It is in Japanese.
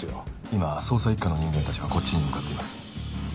今捜査一課の人間達がこっちに向かっています